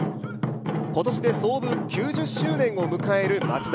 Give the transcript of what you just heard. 今年で創部９０周年を迎えるマツダ。